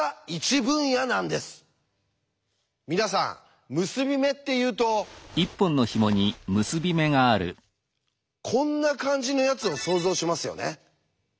皆さん結び目っていうとこんな感じのやつを想像しますよね？